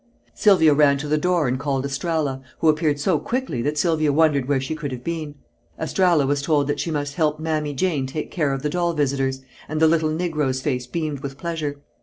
Sylvia ran to the door and called Estralla, who appeared so quickly that Sylvia wondered where she could have been. Estralla was told that she must help "Mammy Jane" take care of the doll visitors, and the little negro's face beamed with pleasure.